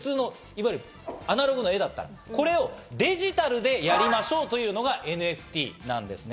アナログの絵だったらこれをデジタルでやりましょうというのがＮＦＴなんですね。